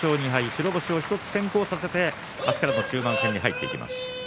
白星を１つ先行させて中盤に入っていきます。